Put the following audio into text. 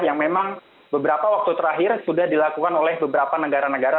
yang memang beberapa waktu terakhir sudah dilakukan oleh beberapa negara negara